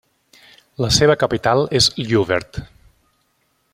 La seva capital és Ljouwert.